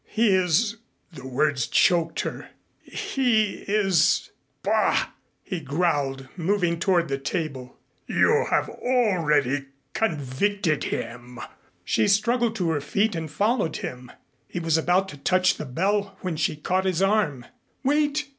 ] "He is " The words choked her. "He is " "Bah!" he growled, moving toward the table. "You have already convicted him!" She struggled to her feet and followed him. He was about to touch the bell when she caught his arm. "Wait!"